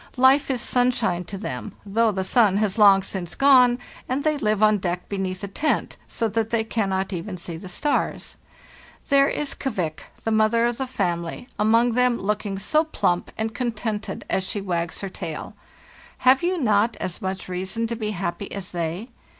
Life is sunshine to them, though the sun has long since gone, and they live on deck beneath a tent, so that they cannot even see the stars. There is 'Kvik,' the mother of the family, among them, looking so plump and contented as she wags her tail. Have you not as much reason to be happy as they?